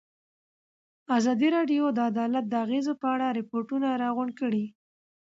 ازادي راډیو د عدالت د اغېزو په اړه ریپوټونه راغونډ کړي.